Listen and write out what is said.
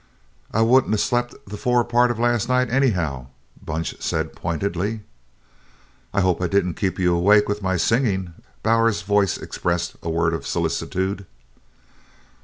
"I wouldn't a slept the fore part of last night anyhow," Bunch said pointedly. "I hope I didn't keep you awake with my singin'?" Bowers's voice expressed a world of solicitude.